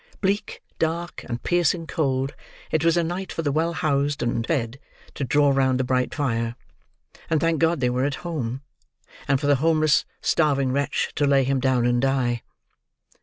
Bleak, dark, and piercing cold, it was a night for the well housed and fed to draw round the bright fire and thank God they were at home; and for the homeless, starving wretch to lay him down and die.